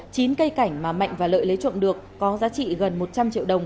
chín cây cảnh mà mạnh và lợi lấy trộm được có giá trị gần một trăm linh triệu đồng